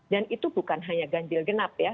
dan itu bukan hanya ganjil genap ya